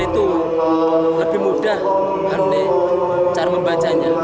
itu lebih mudah aneh cara membacanya